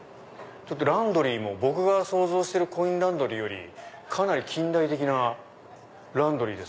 ランドリーも僕が想像してるコインランドリーよりかなり近代的なランドリーです。